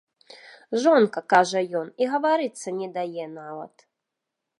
Жонка, кажа ён, і гаварыцца не дае нават.